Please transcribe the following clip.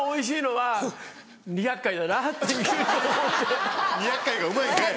はい